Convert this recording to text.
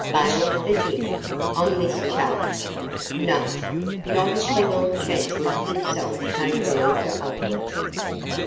Bail for him! on this charge! No; not if the lord chancellor himself came down to offer it.